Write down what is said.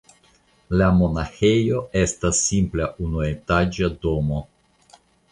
La monaĥejo estas simpla unuetaĝa domo.